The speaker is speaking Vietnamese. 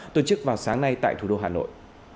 tổ chức vào sáng nay tại thủ đô hà nội